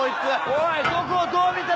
おい。